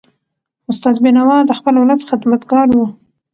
استاد بینوا د خپل ولس خدمتګار و.